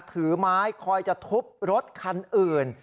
ถือไม้คอยจะทุบรถคันอื่น